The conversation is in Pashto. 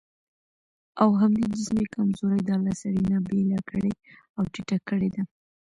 او همدې جسمي کمزورۍ دا له سړي نه بېله کړې او ټيټه کړې ده.